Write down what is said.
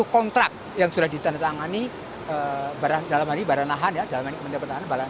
dua puluh kontrak yang sudah ditandatangani dalam hal ini baranahan ya dalam hal ini pendapatan